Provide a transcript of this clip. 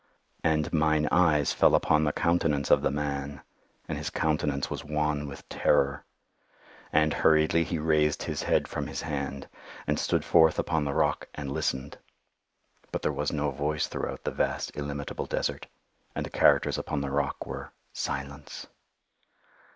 "And mine eyes fell upon the countenance of the man, and his countenance was wan with terror. And, hurriedly, he raised his head from his hand, and stood forth upon the rock and listened. But there was no voice throughout the vast illimitable desert, and the characters upon the rock were SILENCE.